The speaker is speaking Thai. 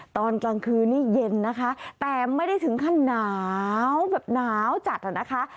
ตอนกลางคืนนี้เย็นนะคะแต่ไม่ได้ถึงขั้นหนาวแบบหนาวจัดอะนะคะ